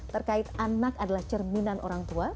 terkait anak adalah cerminan orang tua